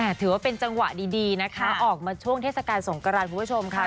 ถือว่าเป็นจังหวะดีดีนะคะออกมาช่วงเทศกาลสงกรานคุณผู้ชมค่ะ